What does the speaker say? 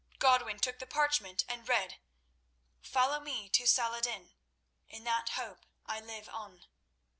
Godwin took the parchment and read: "_Follow me to Saladin. In that hope I live on.